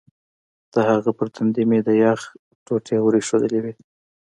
د هغه پر تندي مې د یخ ټوټې ور ایښودلې وې.